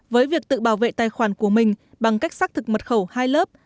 với việc tự bảo vệ tài khoản của mình bằng cách xác thực mật khẩu hai lớp